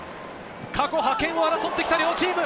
過去覇権を争ってきた両チーム。